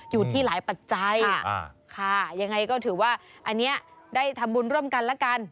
ชัดใจค่ะยังไงก็ถือว่าอันนี้ได้ทำบุญร่วมกันแล้วกัน